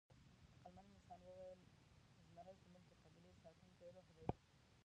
عقلمن انسان وویل: «زمری زموږ د قبیلې ساتونکی روح دی».